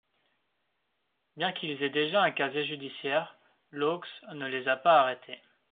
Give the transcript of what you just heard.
Bien qu'ils aient déjà un casier judiciaire, Laux ne les a pas arrêtés.